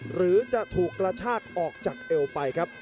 หรือจะถูกกระชากออกจากเอวไปครับ